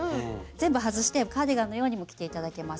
全部外してカーディガンのようにも着て頂けますし。